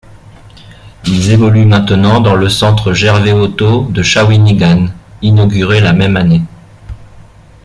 Ils évoluent maintenant dans le Centre Gervais Auto de Shawinigan, inauguré la même année.